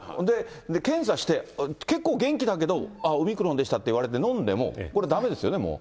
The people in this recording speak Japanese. で、検査して、結構元気だけど、オミクロンでしたって言われて、飲んでも、これだめですよね。